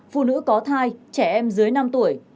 phụ nữ có thai trẻ em dưới năm tuổi